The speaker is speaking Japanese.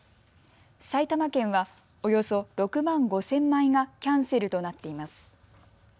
埼玉県はおよそ６万５０００枚がキャンセルとなっています。